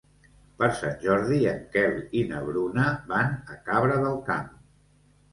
Per Sant Jordi en Quel i na Bruna van a Cabra del Camp.